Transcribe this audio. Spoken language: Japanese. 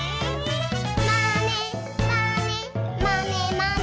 「まねまねまねまね」